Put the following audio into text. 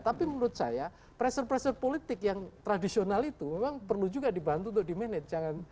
tapi menurut saya pressure pressure politik yang tradisional itu memang perlu juga dibantu untuk di manage